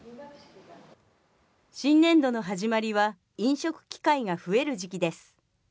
新年度の始まりは飲食機会が増える時期です。